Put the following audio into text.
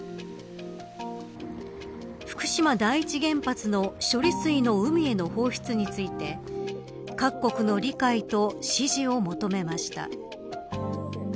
福島第一原発の処理水の海への放出について各国の理解と支持を求めました。